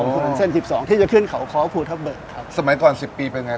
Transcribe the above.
คุณเส้นสิบสองที่จะขึ้นเขาค้อภูทับเบิกครับสมัยก่อนสิบปีเป็นไง